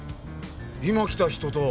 今来た人と。